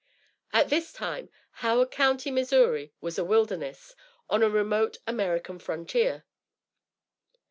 At this time Howard County, Missouri, was a wilderness, on the remote American frontier.